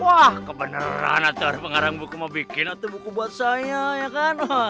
wah kebeneran ada pengarang buku mau bikin buku buat saya ya kan